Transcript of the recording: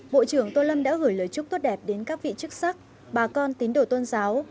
bộ trưởng tô lâm đã gửi lời chúc tốt đẹp đến các vị chức sắc bà con tín đồ tôn giáo